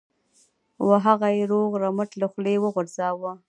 و هغه یې روغ رمټ له خولې وغورځاوه.